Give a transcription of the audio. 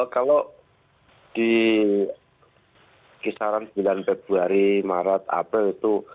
kalau di kisaran sembilan februari maret april itu